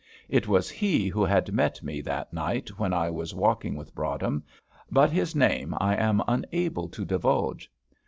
It was he who had met me that night when I was walking with Broadhem, but his name I am unable to divulge.